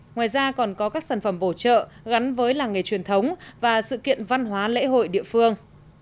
ngoài ra còn có các sản phẩm bổ trợ gắn với làng nghề truyền thống và sự kiện văn hóa lễ hội địa phương